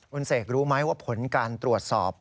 คุณเสกรู้ไหมว่าผลการตรวจสอบ